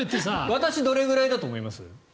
私どれくらいだと思います？